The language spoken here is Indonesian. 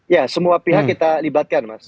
ya semua pihak kita libatkan mas